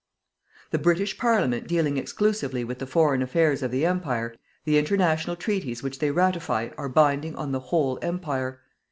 The British Parliament dealing exclusively with the Foreign Affairs of the Empire, the international treaties which they ratify are binding on the whole Empire.